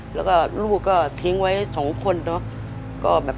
แล้วก็ลูกก็ทิ้งไว้๒คนเนาะ